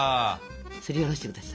すりおろしてください。